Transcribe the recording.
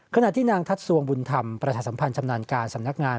ขณะที่นางทัศวงบุญธรรมประชาสัมพันธ์ชำนาญการสำนักงาน